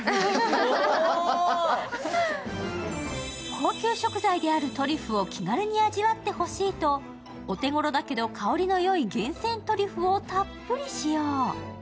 高級食材であるトリュフを気軽に味わってほしいとお手頃だけど香りの良い厳選トリュフをたっぷり使用。